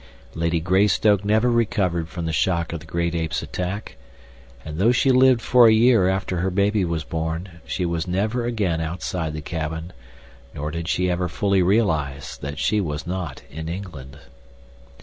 Lady Greystoke never recovered from the shock of the great ape's attack, and, though she lived for a year after her baby was born, she was never again outside the cabin, nor did she ever fully realize that she was not in England.